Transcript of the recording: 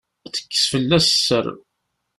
Tekkes fell-as sser.